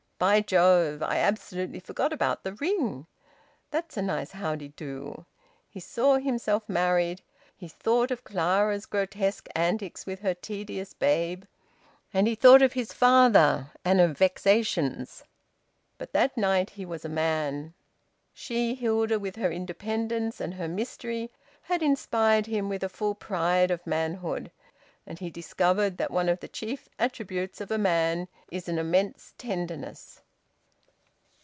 "By Jove! I absolutely forgot about the ring! That's a nice how d'ye do!" ... He saw himself married. He thought of Clara's grotesque antics with her tedious babe. And he thought of his father and of vexations. But that night he was a man. She, Hilda, with her independence and her mystery, had inspired him with a full pride of manhood. And he discovered that one of the chief attributes of a man is an immense tenderness.